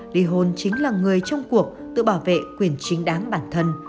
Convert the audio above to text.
li hôn chính là người trong cuộc tự bảo vệ quyền chính đáng bản thân